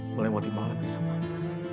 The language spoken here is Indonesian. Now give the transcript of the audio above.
melewati malam bersamamu